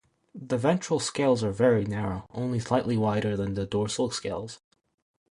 The ventral scales are very narrow, only slightly wider than the dorsal scales.